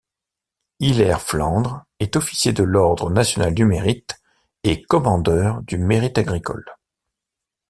Hilaire Flandre est officier de l'ordre national du Mérite et commandeur du Mérite agricole.